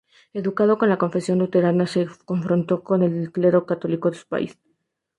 Educado en la confesión luterana, se confrontó con el clero católico de su país.